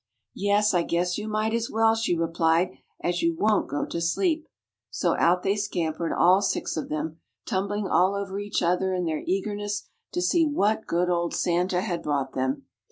"Yes, I guess you might as well," she replied, "as you won't go to sleep." So out they scampered, all six of them, tumbling all over each other in their eagerness to see what good old Santa had brought them.